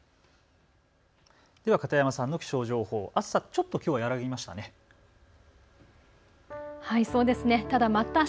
では片山さんの気象情報、暑さちょっときょうは和らぎましたね。